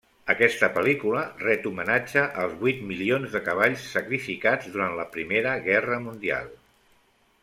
Aquesta pel·lícula ret homenatge als vuit milions de cavalls sacrificats durant la Primera Guerra mundial.